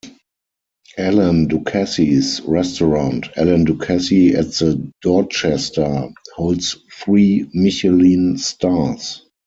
Alain Ducasse's restaurant, "Alain Ducasse at the Dorchester", holds three Michelin stars.